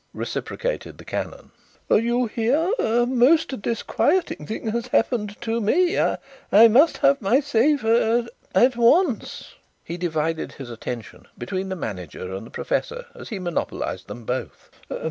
reciprocated the canon. "You here! A most disquieting thing has happened to me. I must have my safe at once." He divided his attention between the manager and the professor as he monopolized them both.